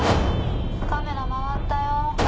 カメラ回ったよ。